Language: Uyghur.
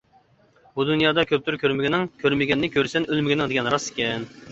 «بۇ دۇنيادا كۆپتۇر كۆرمىگىنىڭ، كۆرمىگەننى كۆرىسەن ئۆلمىگىنىڭ» دېگەن راست ئىكەن.